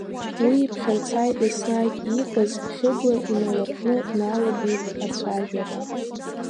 Уи иԥхьарца иаснагь иикыз, Хьыбла иналыркны дналагеит ацәажәара.